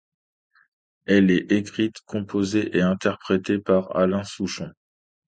Elle est écrite, composée et interprétée par Alain Souchon.